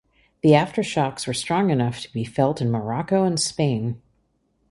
The aftershocks were strong enough to be felt in Morocco and Spain.